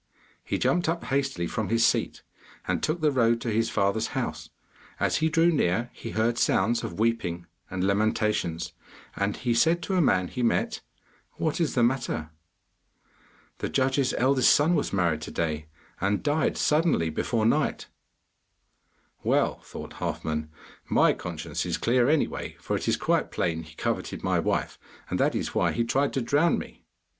He jumped up hastily from his seat, and took the road to his father's house. As he drew near he heard sounds of weeping and lamentations, and he said to a man he met: 'What is the matter?' 'The judge's eldest son was married yesterday, and died suddenly before night.' 'Well,' thought Halfman, 'my conscience is clear anyway, for it is quite plain he coveted my wife, and that is why he tried to drown me.